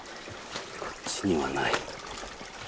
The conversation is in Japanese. こっちにはない。